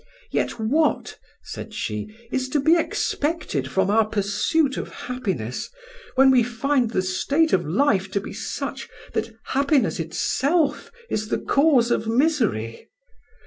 "Yet what," said she, "is to be expected from our pursuit of happiness, when we find the state of life to be such that happiness itself is the cause of misery?